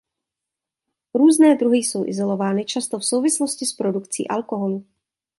Různé druhy jsou izolovány často v souvislosti s produkcí alkoholu.